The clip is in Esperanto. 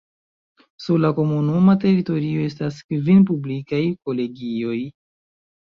Sur la komunuma teritorio estas kvin publikaj kolegioj.